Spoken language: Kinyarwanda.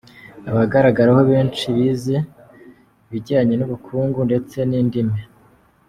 Abagaragaraho benshi bize ibijyanye n’ubukungu ndetse n’indimi.